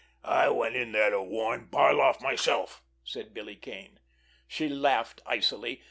"I went there to warn Barloff myself," said Billy Kane. She laughed icily.